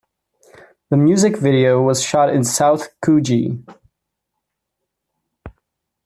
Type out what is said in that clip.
The music video was shot in South Coogee.